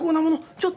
ちょっと！